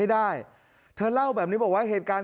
ได้เธอเล่าแบบนี้บอกว่าเหตุการณ์